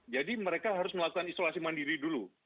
jadi mereka harus melakukan isolasi mandiri dulu